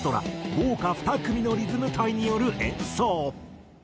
豪華２組のリズム隊による演奏。